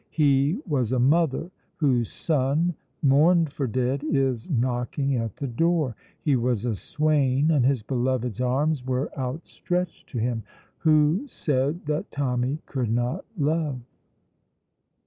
He was a mother whose son, mourned for dead, is knocking at the door. He was a swain, and his beloved's arms were outstretched to him. Who said that Tommy could not love?